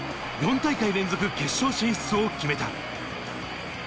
４大会連続決勝進出を決めた。